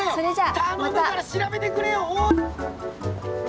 たのむから調べてくれよ。